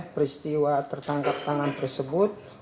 peristiwa tertangkap tangan tersebut